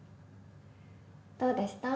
どうでした？